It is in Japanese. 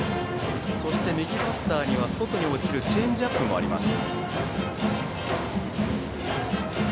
そして右バッターには外に落ちるチェンジアップもあります。